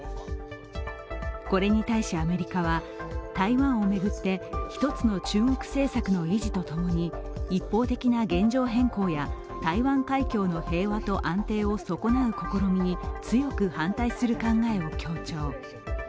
これに対しアメリカは、台湾を巡って１つの中国政策の維持と共に一方的な現状変更や台湾海峡の平和と安定を損なう試みに強く反対する考えを強調。